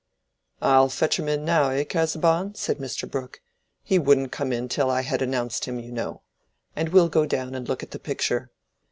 "I'll fetch him in now, eh, Casaubon?" said Mr. Brooke. "He wouldn't come in till I had announced him, you know. And we'll go down and look at the picture.